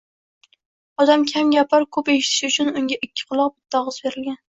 Odam kam gapirib, koʻp eshitishi uchun unga ikki quloq, bitta ogʻiz berilgan.